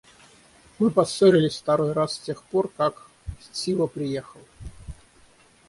Мы поссорились второй раз с тех пор, как... Стива приехал.